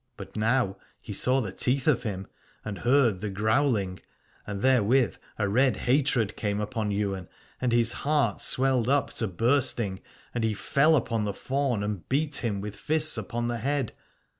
But now he saw the teeth of him and heard the growling: and therewith a red hatred came upon Ywain, and his heart swelled up to burst ing, and he fell upon the faun and beat him with fists upon the head.